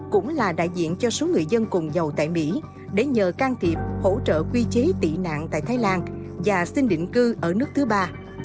cũng là đại diện cho số người dân cùng giàu tại mỹ để nhờ can thiệp hỗ trợ quy chế tị nạn tại thái lan và xin định cư ở nước thứ ba